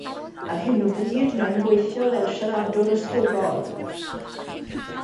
Ar hyn o bryd mae'n gweithio fel siaradwr ysgogol.